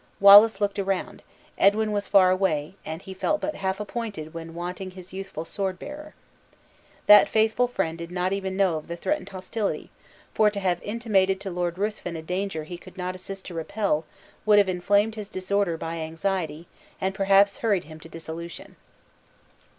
Wallace looked around; Edwin was far away, and he felt but half appointed when wanting his youthful swordbearer. That faithful friend did not even know of the threatened hostility; for to have intimated to Lord Ruthven a danger he could not assist to repel, would have inflamed his disorder by anxiety, and perhaps hurried him to dissolution.